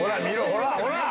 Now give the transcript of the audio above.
ほらほら！